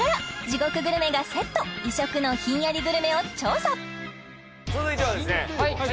地獄グルメがセット異色のひんやりグルメを調査